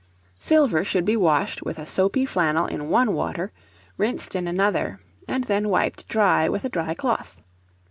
Silver should be washed with a soapy flannel in one water, rinsed in another, and then wiped dry with a dry cloth.